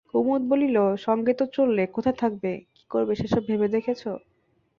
কুমুদ বলিল, সঙ্গে তো চললে, কোথায় থাকবে কী করবে সেসব ভেবে দেখেছ?